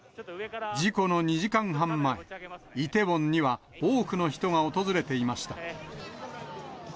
事故の２時間半前、イテウォンには多くの人が訪れていました。